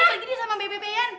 pergi dia sama bebe pianian